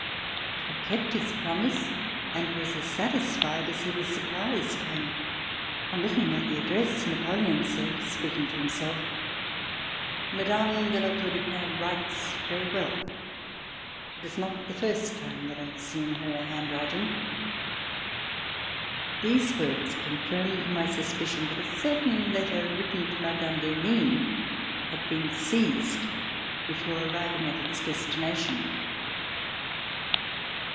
He kept his promise and was as satisfied as he was surprised when, on looking at the address. Napo leon said, speaking to himself: "Mme. de La Tour du Pin writes very well. It is not the first time that I have seen her hand writing." These words con firmed my suspicion that a certain letter written to Mme. d'Henin had been seized before arriving at its destination.